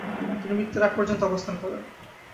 তিনি মৃত্যুর আগ-পর্যন্ত অবস্থান করেন।